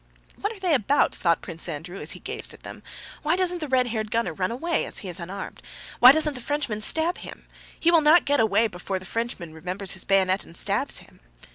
"What are they about?" thought Prince Andrew as he gazed at them. "Why doesn't the red haired gunner run away as he is unarmed? Why doesn't the Frenchman stab him? He will not get away before the Frenchman remembers his bayonet and stabs him...."